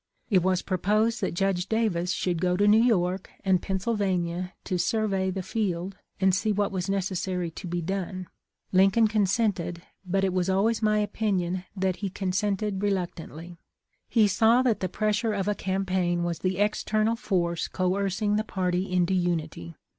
It was proposed that Judge Davis should go to New York and Pennsylvania to survey the field and see what was necessary to be done. Lincoln consented, but it was always my opinion that he consented reluc tantly. " He saw that the pressure of a campaign was the external force coercing the party into unity.